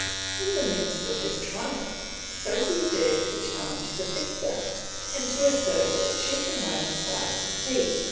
In the midst of his triumph, Sophy dares to challenge the victor, and to assert that she can run as fast as he.